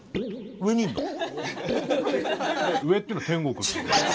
上っていうのは天国？